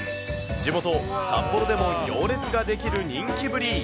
地元、札幌でも行列が出来る人気ぶり。